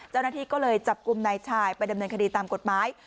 เจ้าหน้าที่ก็เลยจับกลุ่มนายชายไปดำเนินคดีตามกฎหมาย